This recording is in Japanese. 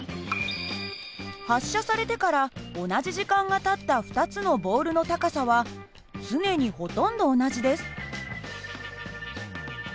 発射されてから同じ時間がたった２つのボールの高さは常にほとんど同じです。